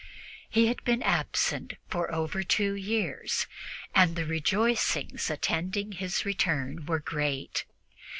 He had been absent for over two years, and the rejoicings attending his return were great.